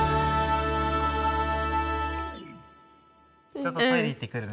ちょっとトイレ行ってくるね。